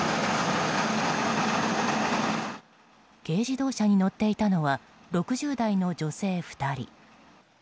軽自動車に乗っていたのは６０代の女性２人。